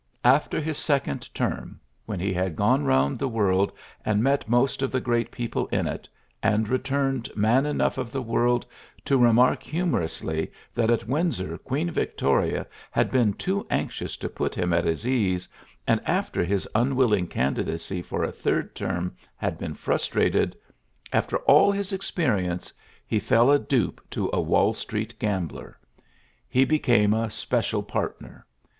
After his second term, when he had gone round the world, and met most of the great people in it, and returned man enough of the world to remark humour ously that at Windsor Queen Victoria had been too anxious to put him at his ease, and after his unwilling candidacy for a third term had been frustrated,— after all his experience, he fell a dupe to a Wall Street gambler. He became a ULYSSES S. GRANT 137 special partner.